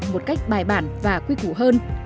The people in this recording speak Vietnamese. một cách bài bản và quy cụ hơn